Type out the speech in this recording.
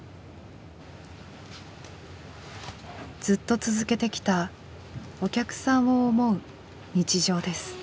ずっと続けてきたお客さんを思う日常です。